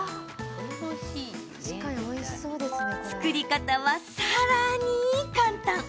作り方は、さらに簡単。